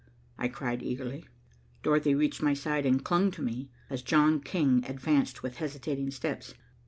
I cried eagerly. Dorothy reached my side and clung to me as John King advanced with hesitating steps.